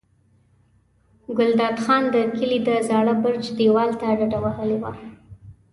ګلداد خان د کلي د زاړه برج دېوال ته ډډه وهلې وه.